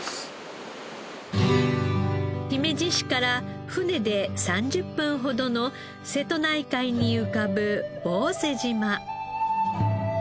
姫路市から船で３０分ほどの瀬戸内海に浮かぶ坊勢島。